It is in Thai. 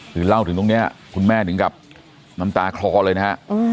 คือเล่าถึงตรงนี้คุณแม่ถึงกับน้ำตาคลอเลยนะฮะ